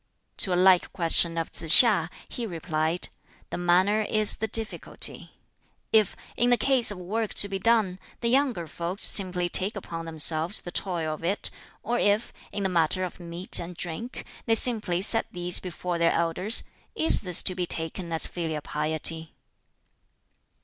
To a like question of Tsz hia, he replied: "The manner is the difficulty. If, in the case of work to be done, the younger folks simply take upon themselves the toil of it; or if, in the matter of meat and drink, they simply set these before their elders is this to be taken as filial piety?"